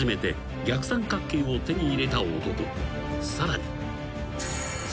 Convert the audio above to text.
［さらに］